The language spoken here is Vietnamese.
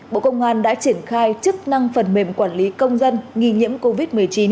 bộ công an đã triển khai chức năng phần mềm quản lý công dân nghi nhiễm covid một mươi chín